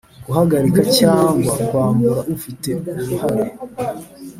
Guhagarika Cyangwa Kwambura Ufite Uruhare